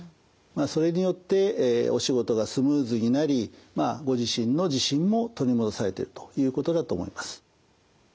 まあそれによってお仕事がスムーズになりまあご自身の自信も取り戻されてるということだと思います。